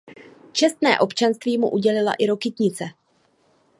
Čestné občanství mu udělila i Rokytnice.